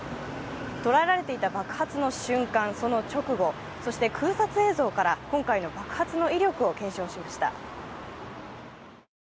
捉えられていた爆発の瞬間、そしてその直後、そして空撮映像から今回の爆発の威力を検証しました。